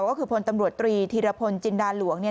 ก็คือพลตำรวจตรีธีรพลจินดาหลวง